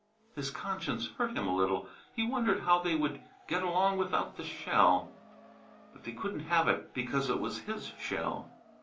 His conscience hurt him a little; he wondered how they would get along without the shell. But they couldn't have it, because it was his shell.